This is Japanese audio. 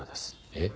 えっ？